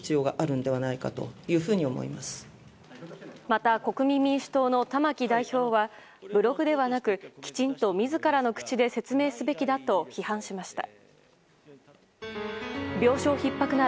また国民民主党の玉木代表はブログではなく、きちんと自らの口で説明すべきだと批判しました。